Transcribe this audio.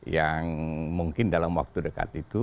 yang mungkin dalam waktu dekat itu